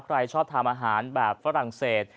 ใครชอบทานอาหารแบบฝรั่งเศส